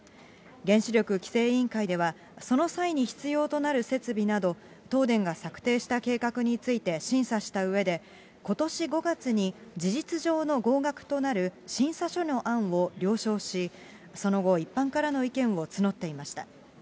原子力規制委員会では、その際に必要となる設備など、東電が策定した計画について審査したうえで、ことし５月に事実上の合格となる審査書の案を了承し、その後、一般からの意見を募っていました。